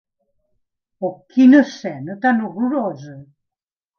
Oh, quina escena tan horrorosa!